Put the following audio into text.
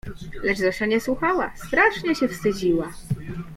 Lecz Zosia nie słuchała, strasznie się wstydziła.